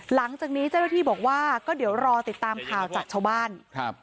หลังจากนี้เจ้าหน้าที่บอกว่าก็เดี๋ยวรอติดตามข่าวจากชาวบ้านครับ